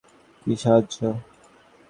কী সাহায্য?